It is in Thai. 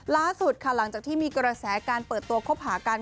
ล่าสุดค่ะหลังจากที่มีกระแสการเปิดตัวคบหากัน